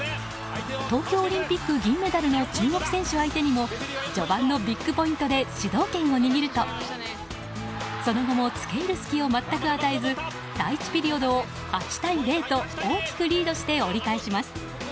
東京オリンピック銀メダルの中国選手相手にも序盤のビッグポイントで主導権を握るとその後も付け入る隙を全く与えず第１ピリオドを８対０と大きくリードして折り返します。